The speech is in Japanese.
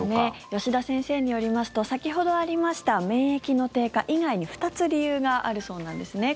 吉田先生によりますと先ほどありました免疫の低下以外に２つ理由があるそうなんですね。